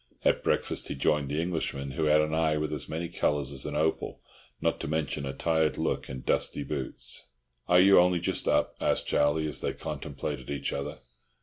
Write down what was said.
At breakfast he joined the Englishman, who had an eye with as many colours as an opal, not to mention a tired look and dusty boots. "Are you only just up?" asked Charlie, as they contemplated each other.